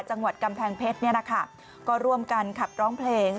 จังหวัดกำแพงเพชรก็ร่วมกันขับร้องเพลง